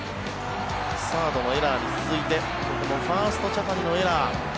サードのエラーに続いてここもファースト、茶谷のエラー。